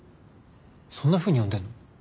そんなふうに呼んでんの？